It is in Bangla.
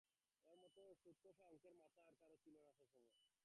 ওর মতো সুদকষা অঙ্কের মাথা আর কারও ছিল না সে সময়।